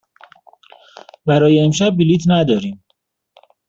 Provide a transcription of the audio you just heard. برای امشب بلیط نداریم.